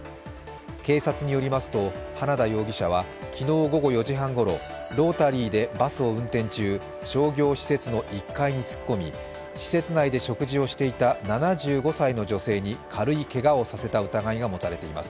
警察によりますと、花田容疑者は昨日午後４時半ごろロータリーでバスを運転中、商業施設の１階に突っ込み、施設内で食事をしていた７５歳の女性に軽いけがをさせた疑いが持たれています。